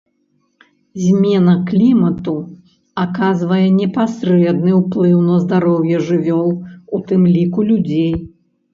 Змена клімату аказвае непасрэдны ўплыў на здароўе жывёл, у тым ліку людзей.